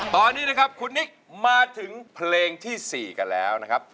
ตอนนี้นะครับคุณนิกมาถึงเพลงที่๔กันแล้วนะครับ